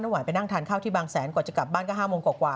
ไหวไปนั่งทานข้าวที่บางแสนกว่าจะกลับบ้านก็๕โมงกว่า